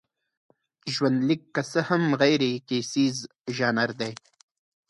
ژوندلیک که څه هم غیرکیسیز ژانر دی.